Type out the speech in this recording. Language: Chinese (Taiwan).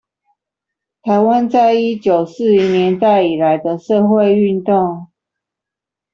臺灣在一九四零年代以來的社會運動